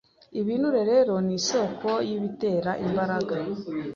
Ibinure rero ni isoko y’ibitera imbaraga